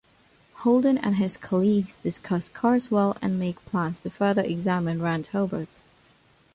Holden and his colleagues discuss Karswell and make plans to further examine Rand Hobart.